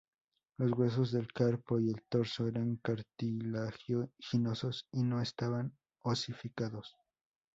Los huesos del carpo y el tarso eran cartilaginosos y no estaban osificados.